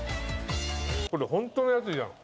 これホントのやつじゃん！